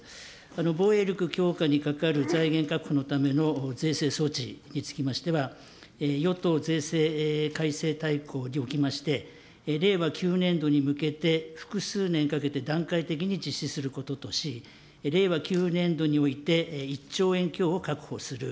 防衛力強化にかかる財源確保のための税制措置につきましては、与党税制改正大綱におきまして、令和９年度に向けて、複数年かけて段階的に実施することとし、令和９年度において、１兆円強を確保する。